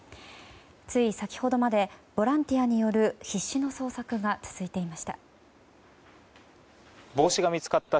つい先ほどまでボランティアによる必死の捜索が続いていました。